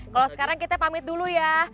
kalau sekarang kita pamit dulu ya